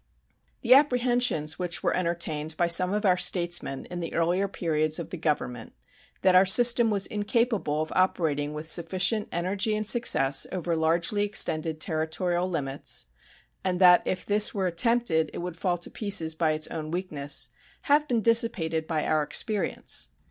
The apprehensions which were entertained by some of our statesmen in the earlier periods of the Government that our system was incapable of operating with sufficient energy and success over largely extended territorial limits, and that if this were attempted it would fall to pieces by its own weakness, have been dissipated by our experience.